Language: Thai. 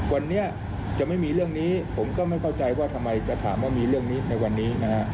วันนี้จะไม่มีเรื่องนี้ผมก็ไม่เข้าใจว่าทำไมจะถามว่ามีเรื่องนี้ในวันนี้นะฮะ